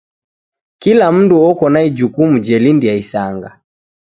Kila mndu oko na ijukumu jelindia isanga.